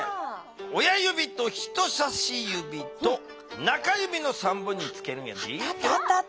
親ゆびと人さしゆびと中ゆびの３本につけるんやで。